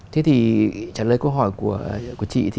thế thì trả lời câu hỏi của chị